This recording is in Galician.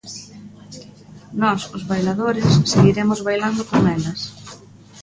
Nós, os bailadores, seguiremos bailando con elas.